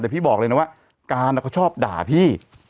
แต่พี่บอกเลยนะว่าการเขาชอบด่าพี่